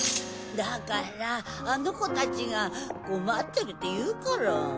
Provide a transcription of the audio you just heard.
だからあの子たちが困ってるっていうから。